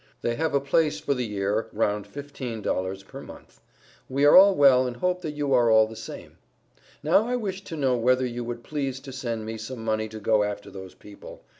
They have a place for the year round 15 dollars per month. We are all well and hope that you are all the same. Now I wish to know whether you would please to send me some money to go after those people.